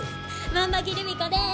万場木留美子です！